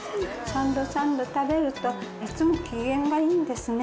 三度三度食べると、いつも機嫌がいいんですね。